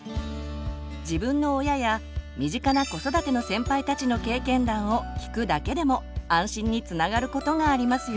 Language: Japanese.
自分の親や身近な子育ての先輩たちの経験談を聞くだけでも安心につながることがありますよ。